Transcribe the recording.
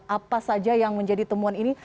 apa saja yang menjadi temuan ini